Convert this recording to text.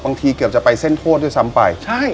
บางทีเกือบจะไปเส้นโทษด้วยซ้ำไป